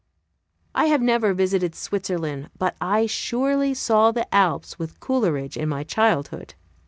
I have never visited Switzerland, but I surely saw the Alps, with Coleridge, in my childhood.